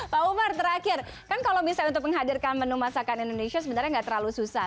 pak umar terakhir kan kalau bisa untuk menghadirkan menu masakan indonesia sebenarnya nggak terlalu susah